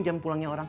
jam pulangnya orang